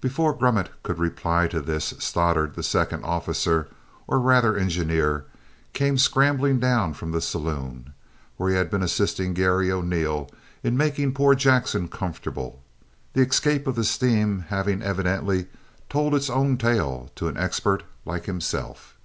Before Grummet could reply to this, Stoddart, the second officer, or rather engineer, came scrambling down from the saloon, where he had been assisting Garry O'Neil in making poor Jackson comfortable, the escape of the steam having evidently told its own tale to an expert like himself.